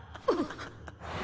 あっ！